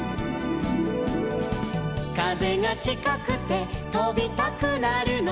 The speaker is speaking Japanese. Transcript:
「風がちかくて飛びたくなるの」